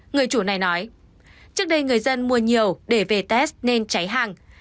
người chủ này nói trước đây người dân mua nhiều để về test nên cháy hàng